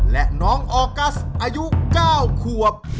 และน้องออกัสอายุ๙ขวบ